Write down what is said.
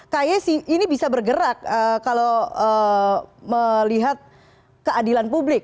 kaye ini bisa bergerak kalau melihat keadilan publik